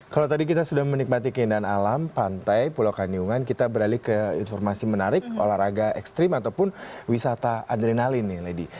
kalau tadi kita sudah menikmati keindahan alam pantai pulau kanyungan kita beralih ke informasi menarik olahraga ekstrim ataupun wisata adrenalin nih lady